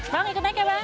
mau ikut naik ya bang